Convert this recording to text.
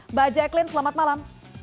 mbak jacqueline selamat malam